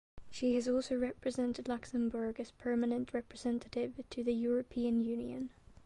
She has also represented Luxembourg as Permanent Representative to the European Union.